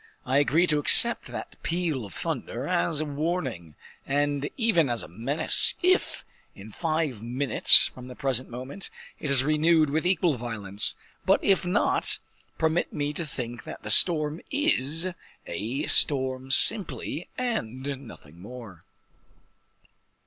"I agree to accept that peal of thunder as a warning, and even as a menace, if, in five minutes from the present moment, it is renewed with equal violence; but if not, permit me to think that the storm is a storm simply, and nothing more."